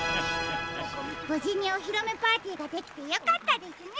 ぶじにおひろめパーティーができてよかったですね！